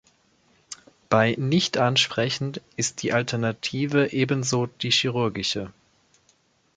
Bei Nicht-Ansprechen ist die Alternative ebenso die chirurgische.